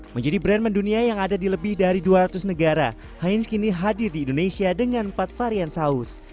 menjadi brand mendunia yang ada di lebih dari dua ratus negara heinz kini hadir di indonesia dengan empat varian saus